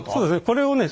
これをね